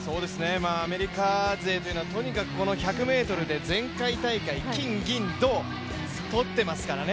アメリカ勢というのはとにかくこの１００ｍで前回大会金・銀・銅とってますからね。